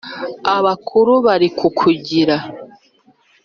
abakuru bari kukugira